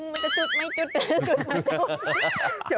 มันจะจุดไม่จุดไม่จุด